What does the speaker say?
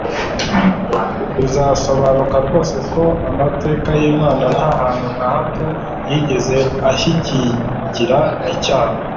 Bizasobanuka rwose ko amateka y'Imana nta hantu na hato yigeze ashyigikira icyaha.